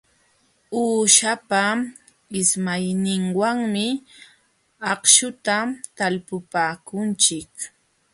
Uushapa ismayninwanmi akśhuta talpupaakunchik.